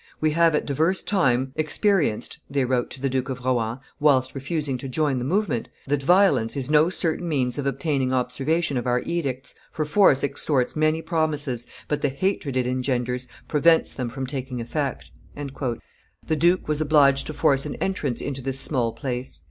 "We have at divers time experienced," they wrote to the Duke of Rohan, whilst refusing to join the movement, "that violence is no certain means of obtaining observation of our edicts, for force extorts many promises, but the hatred it engenders prevents them from taking effect." The duke was obliged to force an entrance into this small place.